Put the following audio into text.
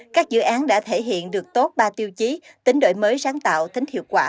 các dự án đã thể hiện được tốt ba tiêu chí tính đổi mới sáng tạo tính hiệu quả